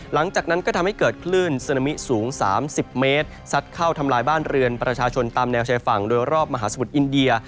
หลังจากนั้นก็ทำให้เกิดคลื่นซึนามิสูง๓๐เมตรซัดเข้าทำลายบ้านเรือนประชาชนตามแนวชายฝั่งโดยรอบมหาสมุทรอินเดีย